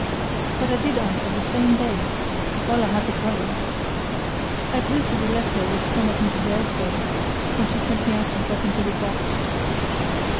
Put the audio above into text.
But I did answer the same day, while I had the courage. I posted a letter with some of Mrs. Ellsworth's, which she sent me out to drop into the box.